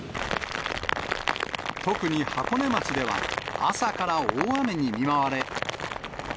特に箱根町では、朝から大雨に見舞われ。